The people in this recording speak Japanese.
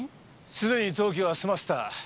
すでに登記は済ませた。